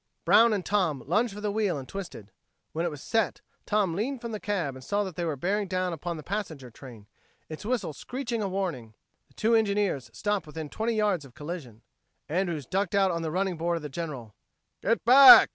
Brown and Tom lunged for the wheel and twisted. When it was set, Tom leaned from the cab and saw that they were bearing down upon the passenger train, its whistle screeching a warning. The two engines stopped within twenty yards of collision. Andrews ducked out on the running board of the General. "Get back!"